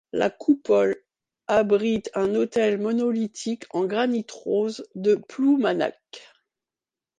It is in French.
La coupole abrite un autel monolithique en granit rose de Ploumanac'h.